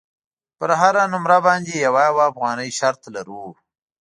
پر هره نمره باندې یوه یوه افغانۍ شرط لرو.